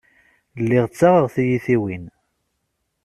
Lliɣ ttaɣeɣ tiyitiwin.